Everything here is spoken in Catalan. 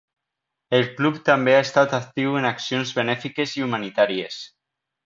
El club també ha estat actiu en accions benèfiques i humanitàries.